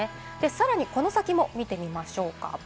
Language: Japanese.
さらに、この先も見てみましょう。